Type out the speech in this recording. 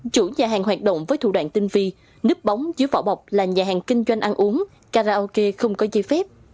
chủ nhà hàng hoạt động với thủ đoạn tinh vi nứt bóng dưới vỏ bọc là nhà hàng kinh doanh ăn uống karaoke không có dây phép